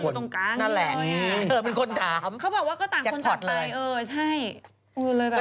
ที่สำคัญเธอเป็นคนถามจักรพอดเลยนั่นแหละเขาบอกว่าต่างคนต่างใจ